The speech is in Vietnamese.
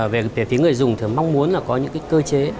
về phía người dùng thì mong muốn có những cơ chế